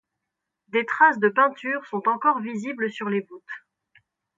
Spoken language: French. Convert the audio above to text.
Des traces de peinture sont encore visibles sur les voûtes.